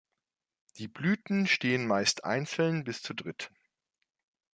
Die Blüten stehen meist einzeln bis zu dritt.